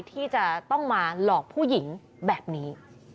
ที่จะต้องมาหลอกผู้หญิงแบบนี้